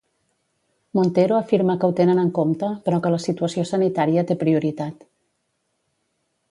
Montero afirma que ho tenen en compte, però que la situació sanitària té prioritat.